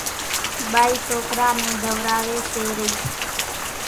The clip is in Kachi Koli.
ٻائِي سوڪرا نين ڌوراويَ سي رئِي۔